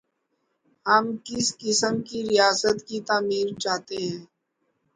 ہم کس قسم کی ریاست کی تعمیر چاہتے ہیں؟